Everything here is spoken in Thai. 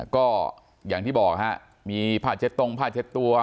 ก็อย่างที่บอกฮะมีผ้าเช็ดตรงผ้าเช็ดตัว